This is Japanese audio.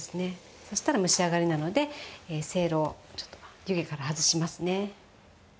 そしたら蒸し上がりなのでせいろをちょっと湯気から外しますね。